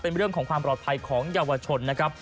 เป็นเรื่องของความปลอดภัยของเยาวชนนะครับ